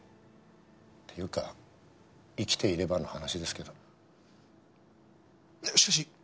っていうか生きていればの話ですけど。